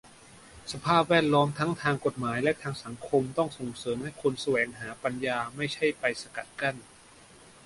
สภาพแวดล้อมทั้งทางกฎหมายและทางสังคม ต้องส่งเสริมให้คนแสวงหาปัญญา ไม่ใช่ไปสกัดกั้น